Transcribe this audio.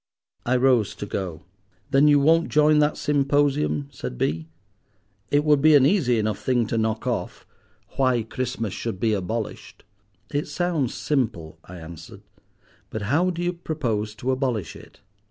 I rose to go. "Then you won't join that symposium?" said B—. "It would be an easy enough thing to knock off—'Why Christmas should be abolished.'" "It sounds simple," I answered. "But how do you propose to abolish it?"